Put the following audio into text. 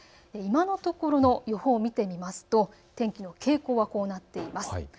今のところの予報を見てみますと天気の傾向がこうなっています。